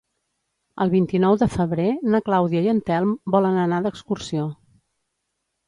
El vint-i-nou de febrer na Clàudia i en Telm volen anar d'excursió.